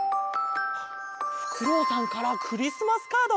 ふくろうさんからクリスマスカード？